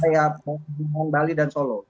saya mau bicarakan bali dan solo